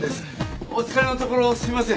お疲れのところすいません。